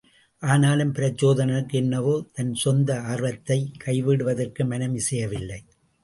ஆனாலும் பிரச்சோதனனுக்கு என்னவோ தன் சொந்த ஆர்வத்தைக் கைவிடுவதற்கு மனம் இசையவில்லை.